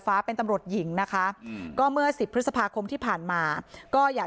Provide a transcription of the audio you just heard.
เป็นตำรวจหญิงนะคะก็เมื่อสิบพฤษภาคมที่ผ่านมาก็อยาก